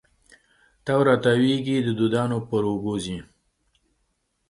تاو را تاویږې د دودانو پر اوږو ځي